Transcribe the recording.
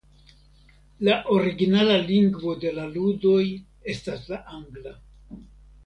La originala lingvo de la ludoj estas la angla.